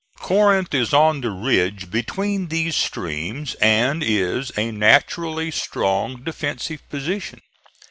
Corinth is on the ridge between these streams and is a naturally strong defensive position.